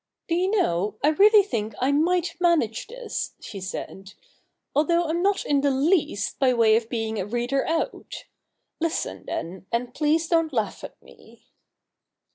' Do you know, I really think I might manage this,' she said, ' although I'm not in the least by way of being a reader out. Listen, then, and please don't laugh at me.'